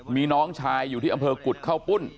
มีน้องชายอยู่ที่อำเภอกุฎข้าวปุ้น